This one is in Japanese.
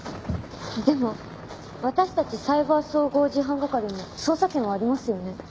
でも私たちサイバー総合事犯係も捜査権はありますよね？